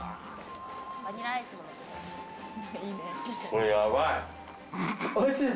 これやばい。